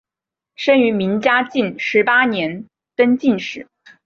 生于明嘉靖十八年登进士。